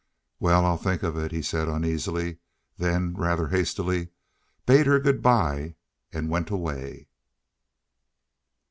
"Well, I'll think of it," he said uneasily, then, rather hastily, he bade her good by and went away.